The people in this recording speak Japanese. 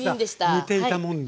似ていたもんで。